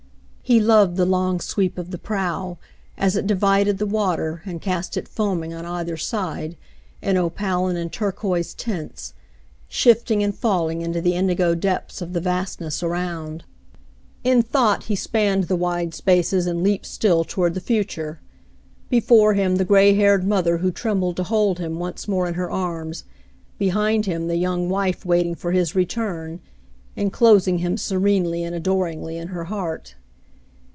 He loved the long sweep of the prow, as it divided the water and cast it foaming on either side, in opaline and turquoise tints, shifting and falling into the indigo depths of the vastness around. 224 David visits his Mother 225 In thought he spanned the wide spaces and leaped still toward the future ; before him the gray haired mother who trembled to hold him once more in her arms, behind him the young wife waiting his return, enclosing him se renely and adoringly in her heart.